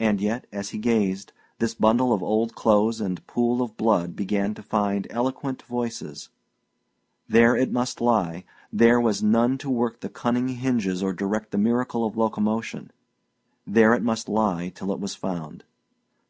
And yet, as he gazed, this bundle of old clothes and pool of blood began to find eloquent voices. There it must lie; there was none to work the cunning hinges or direct the miracle of locomotion; there it must lie till it was found.